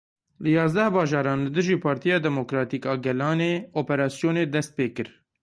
Li yazdeh bajaran li dijî Partiya Demokratîk a Gelanê operasyonê dest pê kir.